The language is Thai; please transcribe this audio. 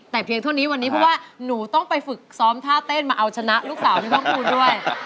แต่เพียงเท่านี้วันนี้เพราะว่าหนูต้องไปฝึกซ้อมท่าเต้นมาเอาชนะลูกสาวในห้องคุณด้วย